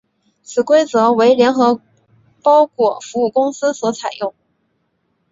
此规则为联合包裹服务公司所采用。